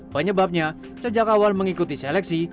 penyebabnya sejak awal mengikuti seleksi